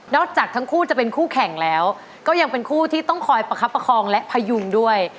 จากทั้งคู่จะเป็นคู่แข่งแล้วก็ยังเป็นคู่ที่ต้องคอยประคับประคองและพยุงด้วย